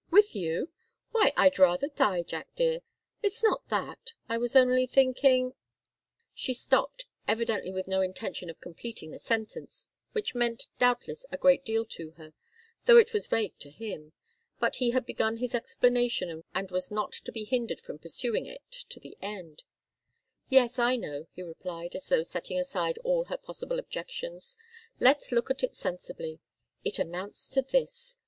With you? Why I'd rather die, Jack dear! It's not that. I was only thinking " She stopped, evidently with no intention of completing the sentence, which meant, doubtless, a great deal to her, though it was vague to him. But he had begun his explanation, and was not to be hindered from pursuing it to the end. "Yes, I know," he replied, as though setting aside all her possible objections. "Let's look at it sensibly. It amounts to this.